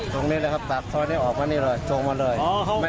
ตรงนี้เลยครับปากซอยนี้ออกมานี่เลยส่งมาเลย